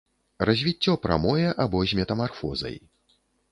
Развіццё прамое або з метамарфозай.